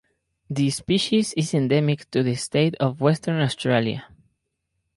The species is endemic to the state of Western Australia.